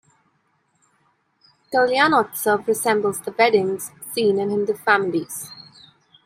Kalyanotsava resembles the weddings seen in Hindu families.